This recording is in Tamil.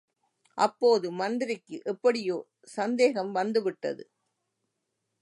அப்போது மந்திரிக்கு எப்படியோ சந்தேகம் வந்து விட்டது.